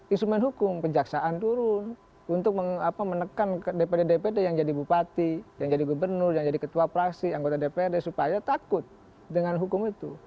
instrumen hukum kejaksaan turun untuk menekan dpd dpd yang jadi bupati yang jadi gubernur yang jadi ketua praksi anggota dprd supaya takut dengan hukum itu